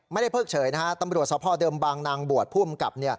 ไม่ได้เผิกเฉยตำรวจทรภเดิมบางนางบวชผู้อำกับ